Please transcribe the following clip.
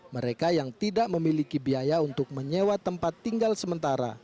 mereka yang tidak memiliki biaya untuk menyewa tempat tinggal sementara